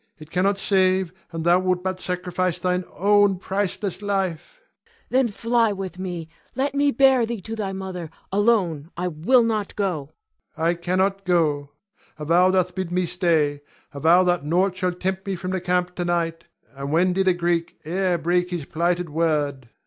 It cannot save, and thou wilt but sacrifice thine own priceless life. Cleon. Then fly with me; let me bear thee to thy mother. Alone, I will not go. Ion. I cannot go; a vow doth bid me stay, a vow that nought shall tempt me from the camp to night; and when did a Greek e'er break his plighted word?